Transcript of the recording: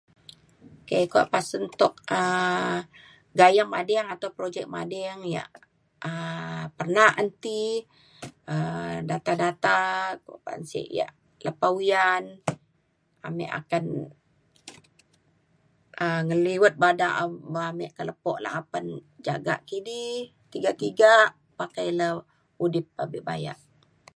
k kuak pasen tuk um gayeng ading atau projek mading ia' um pernah an ti um data data [unintelligible] ia' lepa uyan ame akan um ngeliwet bada [unintelligible] ame ka lepo apen jagak kidi tiga tiga pake le udip pabe baya